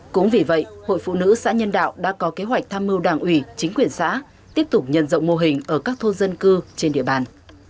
cũng vì vậy hội phụ nữ xã nhân đạo đã có kế hoạch tham mưu đảng ủy chính quyền xã tiếp tục nhận rộng mô hình ở các thôn dân cư trên địa bàn